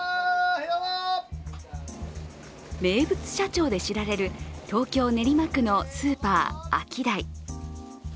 名物社長で知られる東京・練馬区のスーパーアキダイ。